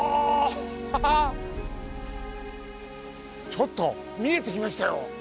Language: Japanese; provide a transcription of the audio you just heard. ちょっと、見えてきましたよ。